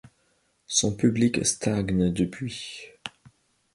Son public stagne depuis.